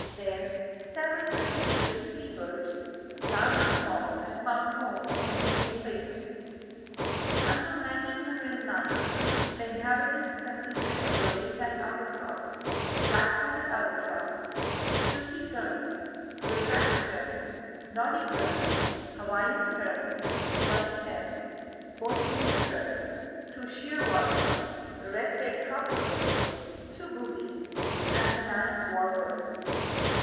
There several species of sea birds, large and small, have found homes and breeding places. Until 1909, the inhabitants consisted of the Laysan albatross, black footed albatross, sooty tern, gray backed tern, noddy tern, Hawaiian tern, white tern, Bonin petrel, two shearwaters, the red tailed tropic bird, two boobies and the man of war bird.